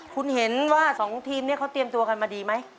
คุณเห็นว่าสองทีมนี้เขาเตรียมตัวกันมาดีไหม